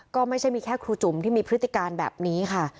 ก็ไม่ใช่มีแค่ครูจุ๋มที่มีพฤติการแบบนี้ค่ะ